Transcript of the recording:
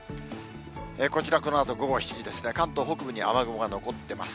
こちら、このあと午後７時ですね、関東北部に雨雲が残ってます。